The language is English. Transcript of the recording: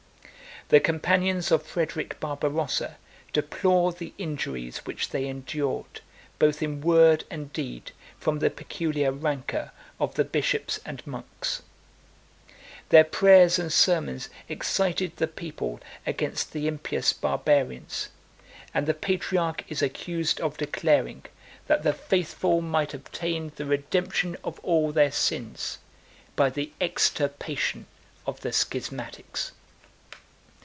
The companions of Frederic Barbarossa deplore the injuries which they endured, both in word and deed, from the peculiar rancor of the bishops and monks. Their prayers and sermons excited the people against the impious Barbarians; and the patriarch is accused of declaring, that the faithful might obtain the redemption of all their sins by the extirpation of the schismatics.